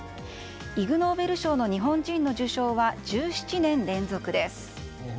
イグ・ノーベル賞の日本人の受賞は１７年連続です。